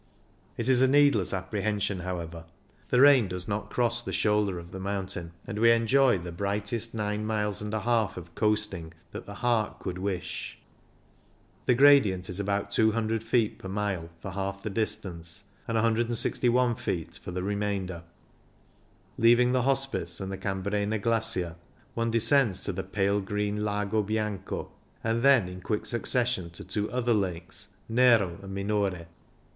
It is a needless apprehension, however ; the rain does not cross the shoulder of the mountain, and we enjoy the brightest nine miles and a half of coasting that the heart could wish. The gradient is about 200 feet per mile for half the distance, and 161 feet for the remainder. Leaving the Hos pice and the Cambrena Glacier, one de scends to the pale green Lago Bianco, and then in quick succession to two other lakes, Nero and Minore.